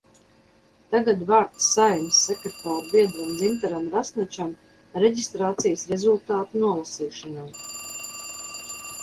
Tagad vārds Saeimas sekretāra biedram Dzintaram Rasnačam reģistrācijas rezultātu nolasīšanai.